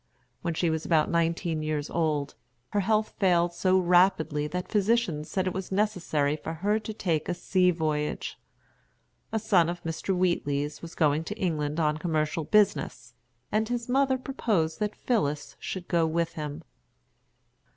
When she was about nineteen years old, her health failed so rapidly that physicians said it was necessary for her to take a sea voyage. A son of Mr. Wheatley's was going to England on commercial business, and his mother proposed that Phillis should go with him.